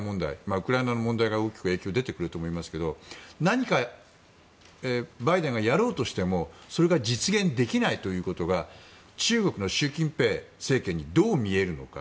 ウクライナの問題が大きく影響が出てくると思いますが何かバイデンがやろうとしてもそれが実現できないということが中国の習近平政権にどう見えるのか。